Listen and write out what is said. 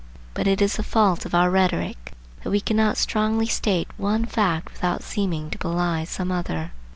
But it is the fault of our rhetoric that we cannot strongly state one fact without seeming to belie some other.